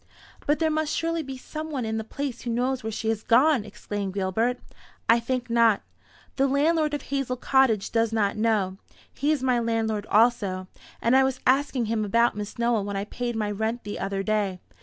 "But there must surely be some one in the place who knows where she has gone!" exclaimed Gilbert. "I think not. The landlord of Hazel Cottage does not know. He is my landlord also, and I was asking him about Miss Nowell when I paid my rent the other day.